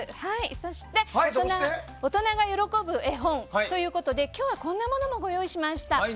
そして大人が喜ぶ絵本ということで今日はこんなものもご用意しました。